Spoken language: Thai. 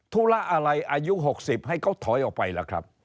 ธุระอะไรอายุ๖๐ให้เขาถอยออกไปล่ะครับ